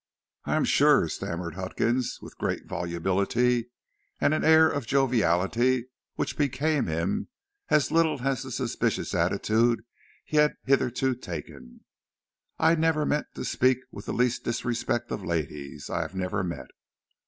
"I am sure," stammered Huckins, with great volubility, and an air of joviality which became him as little as the suspicious attitude he had hitherto taken, "I never meant to speak with the least disrespect of ladies I have never met.